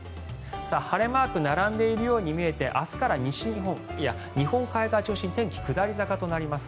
晴れマークが並んでいるように見えて明日から西日本、日本海側中心に天気、下り坂となります。